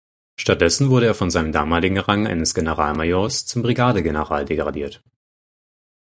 Stattdessen wurde er von seinem damaligen Rang eines Generalmajors zum Brigadegeneral degradiert.